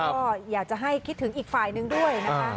ก็อยากจะให้คิดถึงอีกฝ่ายนึงด้วยนะคะ